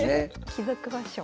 貴族ファッション。